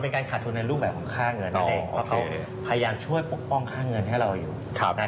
เพราะเขาพยายามช่วยปกป้องค่าเงินให้เราอยู่